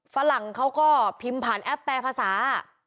ฝรั่งเขาก็พิมพ์ผ่านแอปแปรภาษา